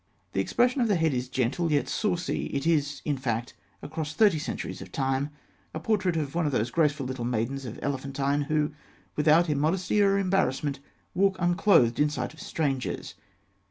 The expression of the head is gentle, yet saucy. It is, in fact, across thirty centuries of time, a portrait of one of those graceful little maidens of Elephantine, who, without immodesty or embarrassment, walk unclothed in sight of strangers.